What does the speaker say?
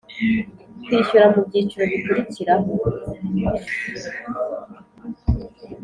kwishyura mu byiciro bikurikiraho